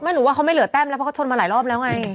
ไม่รู้ว่าเขาไม่เหลือแต้มแล้วเพราะเขาชนมาหลายรอบแล้วไง